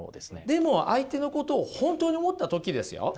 でも相手のことを本当に思った時ですよ